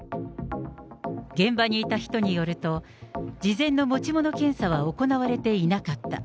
現場にいた人によると、事前の持ち物検査は行われていなかった。